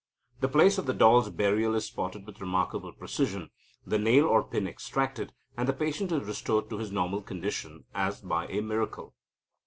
The place of the doll's burial is spotted with remarkable precision, the nail or pin extracted, and the patient is restored to his normal condition as by a miracle."